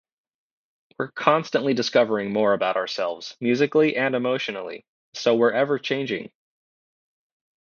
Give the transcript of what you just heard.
We're constantly discovering more about ourselves musically and emotionally, so we're ever-changing.